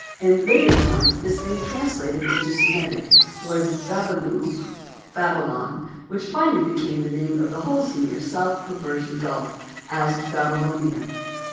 In later times this name translated into Semitic was Babilu—Babylon—which finally became the name of the whole of Sumir south to the Persian Gulf, as Babylonia.